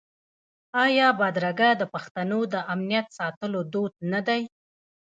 آیا بدرګه د پښتنو د امنیت ساتلو دود نه دی؟